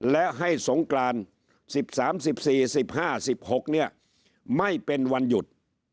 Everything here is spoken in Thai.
และให้สงกราน๑๓๑๔๑๕๑๖เนี่ยไม่เป็นวันหยุด